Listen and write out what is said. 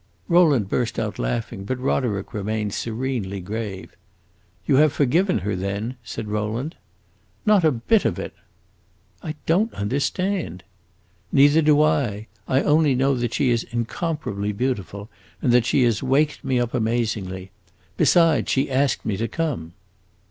Rowland burst out laughing, but Roderick remained serenely grave. "You have forgiven her, then?" said Rowland. "Not a bit of it!" "I don't understand." "Neither do I. I only know that she is incomparably beautiful, and that she has waked me up amazingly. Besides, she asked me to come."